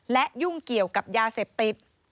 และยุ่งเกี่ยวกับยาเสพติด